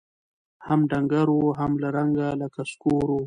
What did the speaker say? هم ډنګر وو هم له رنګه لکه سکور وو